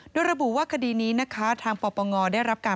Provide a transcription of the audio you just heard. โดยระบุว่าคดีนี้นะคะทางปปงได้รับการ